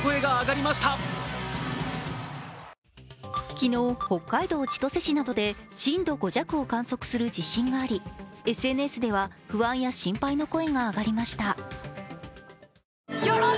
昨日、北海道千歳市などで震度５弱を観測する地震があり、ＳＮＳでは不安や心配の声が上がりました。